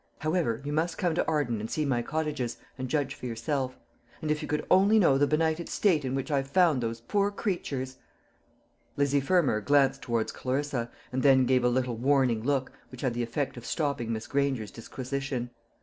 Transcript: However, you must come to Arden and see my cottages, and judge for yourself; and if you could only know the benighted state in which I found these poor creatures " Lizzie Fermor glanced towards Clarissa, and then gave a little warning look, which had the effect of stopping Miss Granger's disquisition.